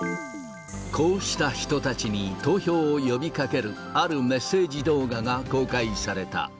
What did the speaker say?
こうした人たちに投票を呼びかけるあるメッセージ動画が公開された。